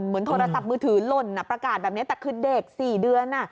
เหมือนโทรศัพท์มือถือหล่นอ่ะประกาศแบบนี้แต่คือเด็กสี่เดือนอ่ะ